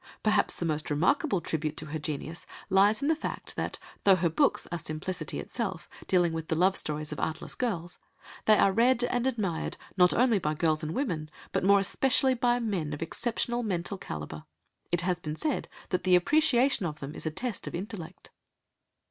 Perhaps the most remarkable tribute to her genius lies in the fact that, though her books are simplicity itself, dealing with the love stories of artless girls, they are read and admired not only by girls and women, but more especially by men of exceptional mental calibre. It has been said that the appreciation of them is a test of intellect.